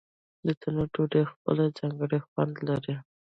د تنور ډوډۍ خپل ځانګړی خوند لري.